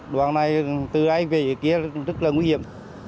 đoàn này từ đây về kia rất là nguy hiểm